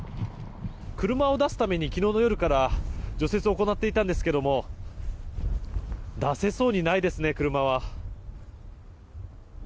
車を出すために昨日の夜から除雪を行っていたんですけれども出せそうにないですね、車は。